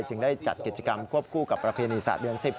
จึงได้จัดกิจกรรมควบคู่กับประเพณีศาสตร์เดือน๑๐